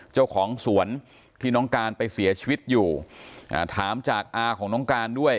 เจ้าของสวนที่น้องการไปเสียชีวิตอยู่ถามจากอาของน้องการด้วย